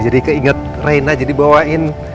jadi keinget rena jadi bawain